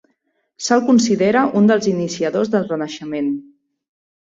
Se'l considera un dels iniciadors del Renaixement.